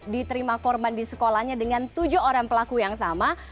diterima korban di sekolahnya dengan tujuh orang pelaku yang sama